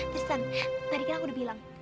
terusan tadi kan aku udah bilang